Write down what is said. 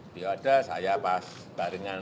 beliau ada saya pas baringan